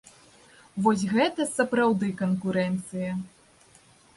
Вось гэта сапраўды канкурэнцыя.